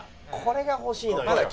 これが欲しいのよ。